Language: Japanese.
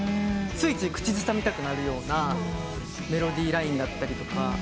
ついつい口ずさみたくなるようなメロディーラインだったり。